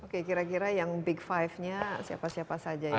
oke kira kira yang big five nya siapa siapa saja ya